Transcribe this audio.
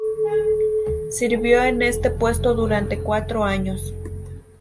Sirvió en este puesto durante cuatro años.